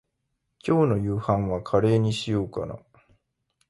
今日の夕飯はカレーにしようかな。